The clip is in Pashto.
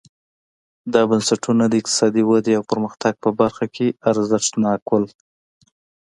دا بنسټونه د اقتصادي ودې او پرمختګ په برخه کې ارزښتناک وو.